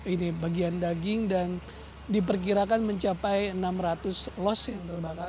ini bagian daging dan diperkirakan mencapai enam ratus los yang terbakar